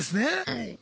はい。